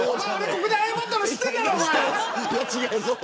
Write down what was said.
ここで謝ったの知ってるだろおまえ。